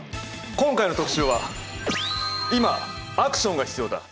今回の特集は「今アクションが必要だ！